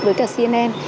với cả cnn